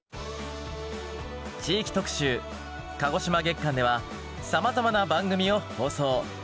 地域特集鹿児島月間ではさまざまな番組を放送。